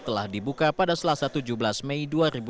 telah dibuka pada selasa tujuh belas mei dua ribu dua puluh